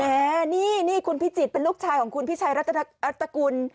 นี่นี่คุณพิจิตรเป็นลูกชายของคุณพิชัยรัฐกุล